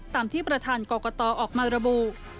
ตามที่ประทานกรกฎาออกมรบุ